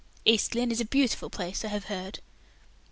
East Lynne is a beautiful place, I have heard."